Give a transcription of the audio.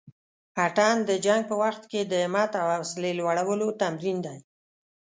اتڼ د جنګ په وخت کښې د همت او حوصلې لوړلو تمرين دی.